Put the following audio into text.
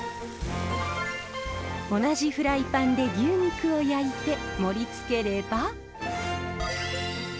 同じフライパンで牛肉を焼いて盛りつければ。